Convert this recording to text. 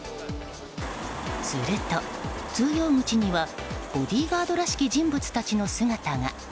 すると、通用口にはボディーガードらしき人物たちの姿が。